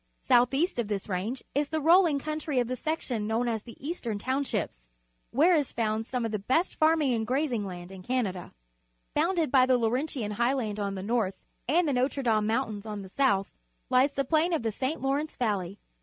South east of this range is the rolling country Power Developments, Shawinigan Falls of the section known as the Eastern Town ships, where is found some of the best farming and grazing land in Canada. Bounded by the Laurentian Highland on the north and the Notre Dame Moun tains on the south, lies the plain of the St. Lawrence Valley.